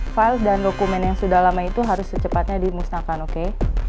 file dan dokumen yang sudah lama itu harus secepatnya dimusnahkan oke